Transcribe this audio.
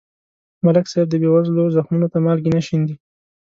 ملک صاحب د بېوزلو زخمونو ته مالګې نه شیندي.